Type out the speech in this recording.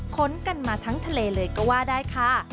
ขนกันมาทั้งทะเลเลยก็ว่าได้ค่ะ